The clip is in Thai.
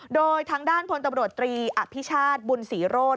โดยทางด้านพลตำรวจตรีอภิชาติบุญศรีโรธ